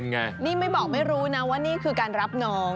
นี่ไม่บอกไม่รู้นะว่านี่คือการรับน้อง